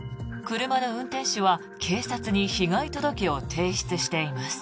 車の運転手は警察に被害届を提出しています。